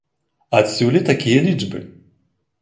Адсюль і такія лічбы.